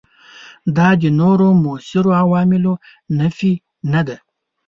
دا د نورو موثرو عواملونو نفي نه ده.